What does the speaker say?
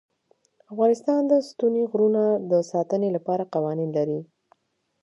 افغانستان د ستوني غرونه د ساتنې لپاره قوانین لري.